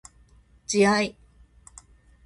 自愛